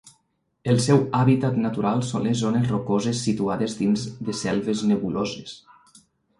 El seu hàbitat natural són les zones rocoses situades dins de selves nebuloses.